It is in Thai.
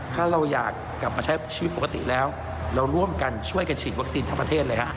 ถ้าเราอยากกลับมาใช้ชีวิตปกติแล้วเราร่วมกันช่วยกันฉีดวัคซีนทั้งประเทศเลยฮะ